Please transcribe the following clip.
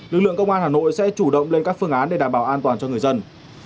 lực lượng công an hà nội sẽ chủ động lên các phương án để đảm bảo an toàn cho người dân